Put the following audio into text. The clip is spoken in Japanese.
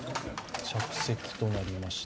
着席となりました。